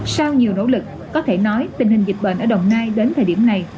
sau nhiều nỗ lực có thể nói tình hình dịch bệnh ở đồng nai đến thời điểm này